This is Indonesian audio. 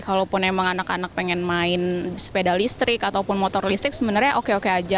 kalaupun emang anak anak pengen main sepeda listrik ataupun motor listrik sebenarnya oke oke aja